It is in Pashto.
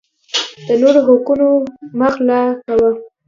د نورو حقونه مه غلاء کوه